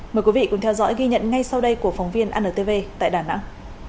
mời quý vị cùng theo dõi ghi nhận ngay sau đây của phóng viên antv tại đà nẵng